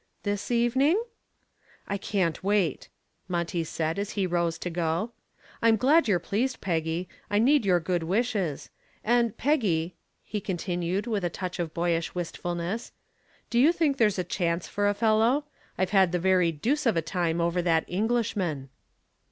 "This evening?" "I can't wait," Monty said as he rose to go. "I'm glad you're pleased, Peggy; I need your good wishes. And, Peggy," he continued, with a touch of boyish wistfulness, "do you think there's a chance for a fellow? I've had the very deuce of a time over that Englishman."